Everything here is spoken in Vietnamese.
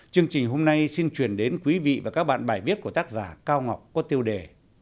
chương trình hôm nay xin truyền đến quý vị và các bạn bài viết của tác giả cao ngọc có tiêu đề